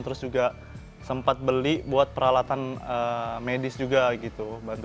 terus juga sempat beli buat peralatan medis juga gitu